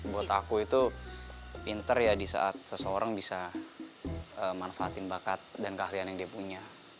buat aku itu pinter ya di saat seseorang bisa manfaatin bakat dan keahlian yang dia punya